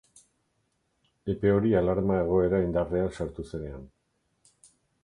Epe hori alarma-egoera indarrean sartu zenean.